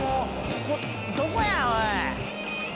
ここどこやおい！